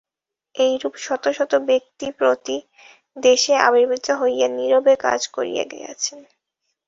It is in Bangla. এইরূপ শত শত ব্যক্তি প্রতি দেশে আবির্ভূত হইয়া নীরবে কাজ করিয়া গিয়াছেন।